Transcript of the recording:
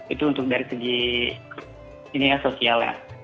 itu untuk dari segi sosial ya